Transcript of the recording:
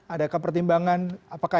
adakah pertimbangan apakah